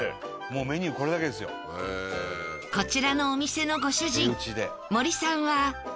こちらのお店のご主人森さんは